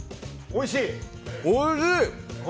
おいしい！